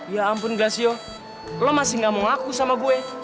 ya ampun glasio lo masih gak mau ngaku sama gue